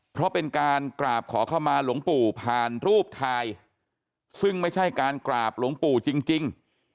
เพราะเป็นการกราบขอเข้ามาหลวงปู่ผ่านรูปถ่ายซึ่งไม่ใช่การกราบหลวงปู่จริง